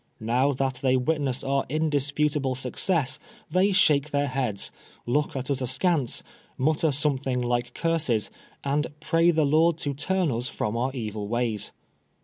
Now that they witness our indisputable success, they shake their heads, look at us askance, mutter something like curses, and pray the Lord to turn us from our evil ways.